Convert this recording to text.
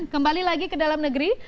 kembali lagi ke dalam negeri